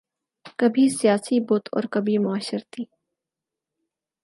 کبھی سیاسی بت اور کبھی معاشرتی